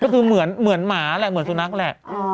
รมนั่งเหมือนมาล่ะทุนักล่ะ